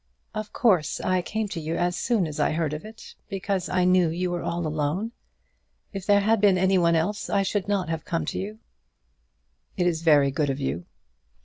"Of course I came to you as soon as I heard of it, because I knew you were all alone. If there had been any one else I should not have come." "It is very good of you."